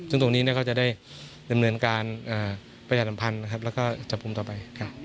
ซึ่งตรงนี้ก็จะได้ดำเนือนการประหยารภัณฑ์นะครับแล้วก็จบพุมต่อไป